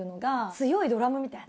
強いドラムみたいな。